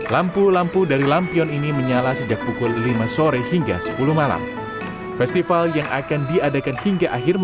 lampu lampu dari lampion ini menyebabkan kebanyakan penyakit